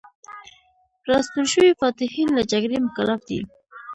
راستون شوي فاتحین له جګړې مکلف دي.